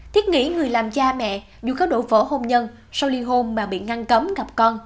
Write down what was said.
thiết nghĩ người làm cha mẹ dù có đổ vỡ hôn nhân sau ly hôn mà bị ngăn cấm gặp con